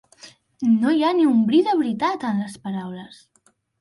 No hi ha ni un bri de veritat en les paraules!